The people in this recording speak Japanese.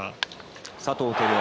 佐藤輝明